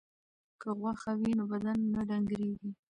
که غوښه وي نو بدن نه ډنګریږي.